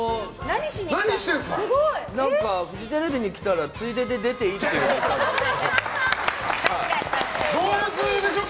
フジテレビに来たら、ついでに出ていいって言われて。